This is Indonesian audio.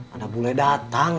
anda boleh datang